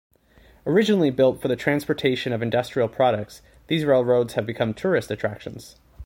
Originally built for the transportation of industrial products, these railroads have become tourist attractions.